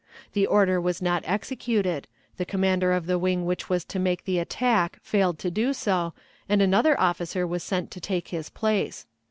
The order was not executed, the commander of the wing which was to make the attack failed to do so, and another officer was sent to take his place.